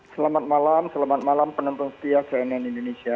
selamat malam selamat malam penonton setia cnn indonesia